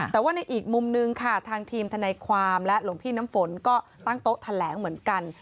แต่ว่าในอีกมุมนึงค่ะทางทีมทนายความและหลวงพี่น้ำฝนก็ตั้งโต๊ะแถลงเหมือนกัน